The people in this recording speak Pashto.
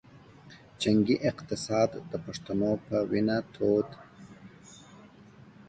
جنګي اقتصاد د پښتنو پۀ وینه تود دے